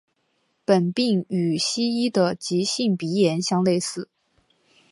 本病与西医的急性鼻炎相类似。